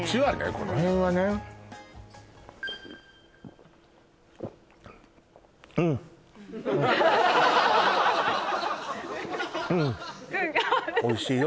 この辺はねうんうんうんおいしいよ